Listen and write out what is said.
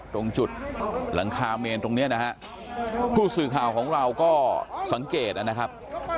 ตรงจุดหลังคาเมนตรงเนี้ยนะฮะผู้สื่อข่าวของเราก็สังเกตนะครับ